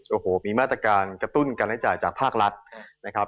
โอ้โหมีมาตรการกระตุ้นการใช้จ่ายจากภาครัฐนะครับ